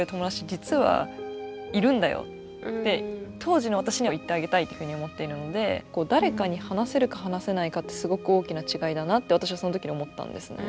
実はいるんだよって当時の私には言ってあげたいっていうふうに思っているので誰かに話せるか話せないかってすごく大きな違いだなって私はその時に思ったんですね。